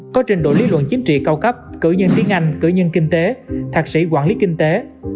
có trình độ lý luận chính trị cao cấp cử nhân tiếng anh cử nhân kinh tế thạc sĩ quản lý kinh tế